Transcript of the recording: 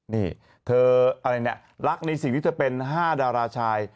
นี่เธออะไรเนี่ยรักในสิ่งที่เธอเป็น๕ดาราชาย